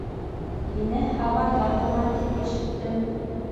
— Һине Һамарҙа булған тип ишеттем.